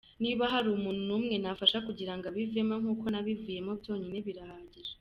"Niba hari umuntu n'umwe nafasha kugira ngo abivemo nk'uko nabivuyemo, byonyine birahagije.